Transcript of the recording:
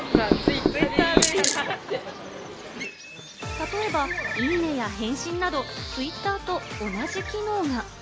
例えば、いいねや返信など、ツイッターと同じ機能が。